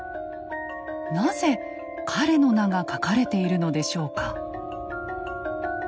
なぜ彼の名が書かれているのでしょうか？